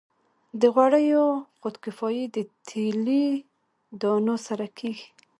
د غوړیو خودکفايي د تیلي دانو سره کیږي.